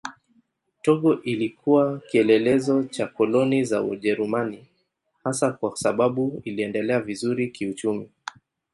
Togo ilikuwa kielelezo cha koloni za Ujerumani hasa kwa sababu iliendelea vizuri kiuchumi.